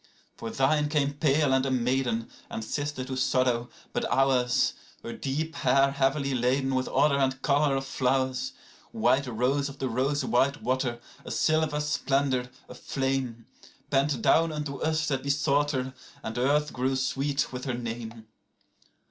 81For thine came pale and a maiden, and sister to sorrow; but ours,82Her deep hair heavily laden with odour and colour of flowers,83White rose of the rose white water, a silver splendour, a flame,84Bent down unto us that besought her, and earth grew sweet with her name.